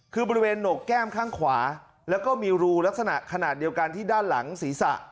คือบริเวณหนกแก้มข้างขวาแล้วก็มีรูลักษณะขนาดเดียวกันที่ด้านหลังศีรษะ